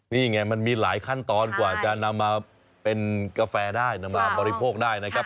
นี่ไงมันมีหลายขั้นตอนกว่าจะนำมาเป็นกาแฟได้นำมาบริโภคได้นะครับ